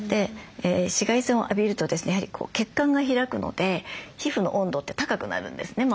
紫外線を浴びるとですねやはり血管が開くので皮膚の温度って高くなるんですね。